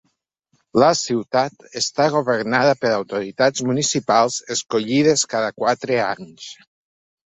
La ciutat està governada per autoritats municipals escollides cada quatre anys.